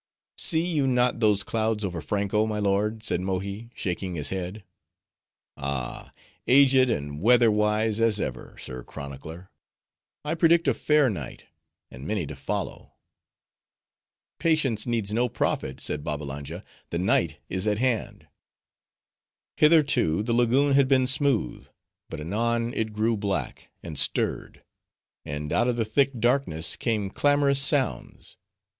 "See you not those clouds over Franko, my lord," said Mohi, shaking his head. "Ah, aged and weather wise as ever, sir chronicler;—I predict a fair night, and many to follow." "Patience needs no prophet," said Babbalanja. "The night, is at hand." Hitherto the lagoon had been smooth: but anon, it grew black, and stirred; and out of the thick darkness came clamorous sounds.